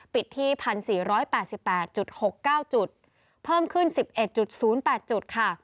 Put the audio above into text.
ปิดที่๑๔๘๘๖๙จุดเพิ่มขึ้น๑๑๐๘จุดค่ะ